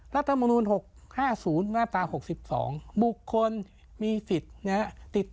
รัฐมณฑ์หกห้าศูนย์แนวตาหกสิบสองบุคคลมีศิษฐ์น้ำติดตาม